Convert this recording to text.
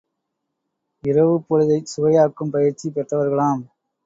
இரவுப் பொழுதைச் சுவையாக்கும் பயிற்சி பெற்றவர்களாம்.